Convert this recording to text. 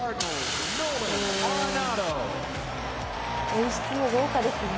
演出も豪華ですね。